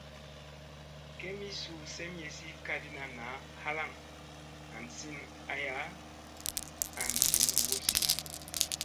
Kemii suu semyesi kadina naa halaŋ hansina aya an min wulsia.